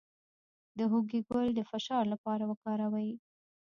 د هوږې ګل د فشار لپاره وکاروئ